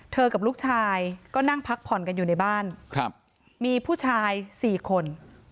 กับลูกชายก็นั่งพักผ่อนกันอยู่ในบ้านครับมีผู้ชาย๔คน